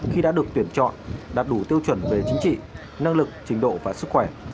khi đã được tuyển chọn đạt đủ tiêu chuẩn về chính trị năng lực trình độ và sức khỏe